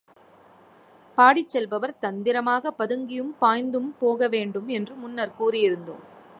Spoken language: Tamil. பாடிச் செல்பவர் தந்திரமாக, பதுங்கியும் பாய்ந்து போக வேண்டும் என்று முன்னர் கூறியிருந்தோம்.